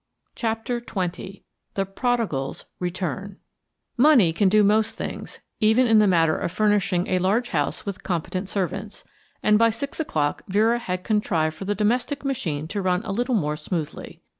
CHAPTER XX THE PRODIGAL'S RETURN Money can do most things, even in the matter of furnishing a large house with competent servants, and by six o'clock Vera had contrived for the domestic machine to run a little more smoothly.